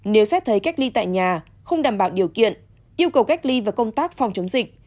nếu xét thấy cách ly tại nhà không đảm bảo điều kiện yêu cầu cách ly và công tác phòng chống dịch